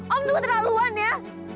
om tuh terlaluan ya